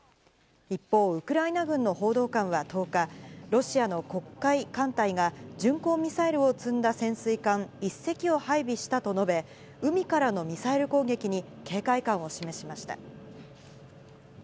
一方、ウクライナ軍の報道官は１０日、ロシアの黒海艦隊が巡航ミサイルを積んだ潜水艦１隻を配備したと述べ、海からのミサイル攻撃に警戒感を示しました。